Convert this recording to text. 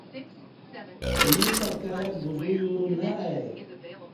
ییں تہ کائی بودوئی نہ ایہ